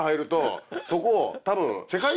そこ多分。